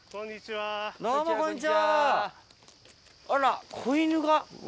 あら子犬が。